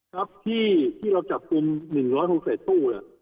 ครับที่เราจับคุม๑๖๐ตู้เนี่ย